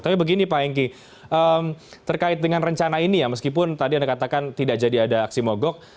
tapi begini pak hengki terkait dengan rencana ini ya meskipun tadi anda katakan tidak jadi ada aksi mogok